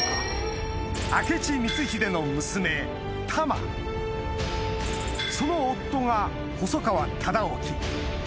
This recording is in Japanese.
明智光秀の娘玉その夫が細川忠興